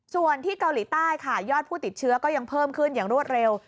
ส่วนที่เกาหลีใต้ค่ะยอดผู้ติดเชื้อก็ยังเพิ่มขึ้นอย่างรวดเร็ว